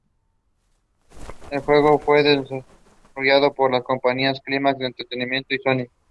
El juego fue desarrollado por las compañías Climax Entertaiment y Sonic!